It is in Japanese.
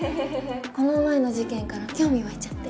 この前の事件から興味湧いちゃって。